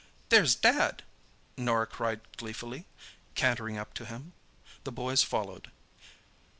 "There's Dad!" Norah cried gleefully, cantering up to him. The boys followed.